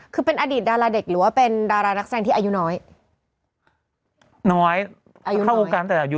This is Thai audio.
คือเป็นอดีตดาราเด็กหรือว่าเป็นดารานักแสดงที่อายุน้อยน้อยอายุเข้าวงการแต่อายุ